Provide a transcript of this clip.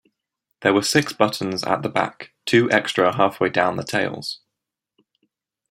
There were six buttons at the back, two extra halfway down the tails.